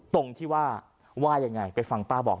ตรงที่ว่าว่ายังไงไปฟังป้าบอก